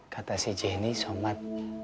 kata si jenny somad